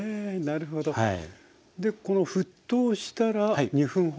でこの沸騰したら２分ほど？